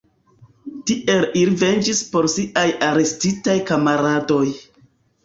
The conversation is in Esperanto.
Tiel ili venĝis por siaj arestitaj kamaradoj.